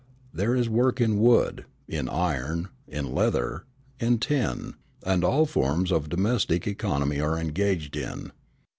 There is work in wood, in iron, in leather, in tin; and all forms of domestic economy are engaged in.